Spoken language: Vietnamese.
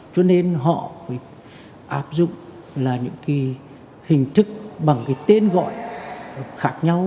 cho nên họ áp dụng những hình thức bằng tên gọi khác nhau